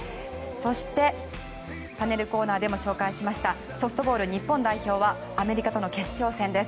そして、パネルコーナーでも紹介しましたソフトボール日本代表はアメリカとの決勝戦です。